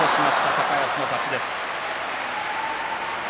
高安の勝ちです。